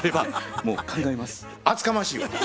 厚かましいわ！